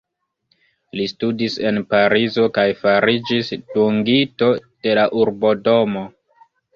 Li studis en Parizo kaj fariĝis dungito de la Urbodomo.